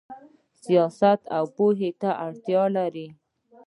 سیاست پوهې ته اړتیا لري